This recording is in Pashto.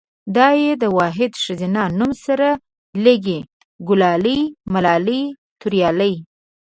دا ۍ دا واحد ښځينه نوم سره لګي، ګلالۍ ملالۍ توريالۍ